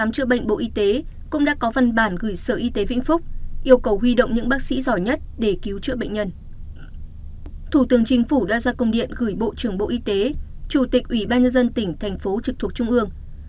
thủ tướng chính phủ đã ra công điện gửi bộ trưởng bộ y tế chủ tịch ủy ban nhân dân tỉnh thành phố trực thuộc trung ương